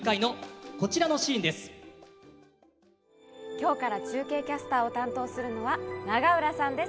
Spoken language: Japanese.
今日から中継キャスターを担当するのは永浦さんです。